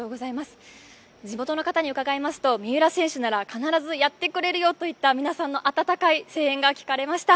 地元の方に伺いますと三浦選手なら必ずやってくれると皆さんの温かい声援が聞かれました。